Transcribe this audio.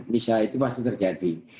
misalnya itu pasti terjadi